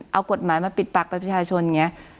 เอากฎหมายมาปิดปากประชาชนอย่างนี้